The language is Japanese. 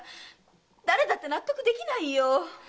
誰だって納得できないよ！